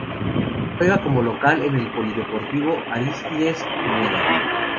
Juega como local en el Polideportivo Arístides Pineda.